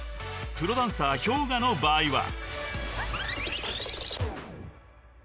［プロダンサーＨｙＯｇＡの場合は］